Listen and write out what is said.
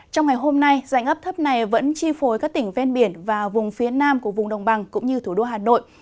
trong ngày hôm nay dạnh ấp thấp này vẫn chi phối các tỉnh ven biển và vùng phía nam của vùng đồng bằng cũng như thủ đô hà nội